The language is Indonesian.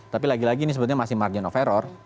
tapi lagi lagi ini sebetulnya masih margin of error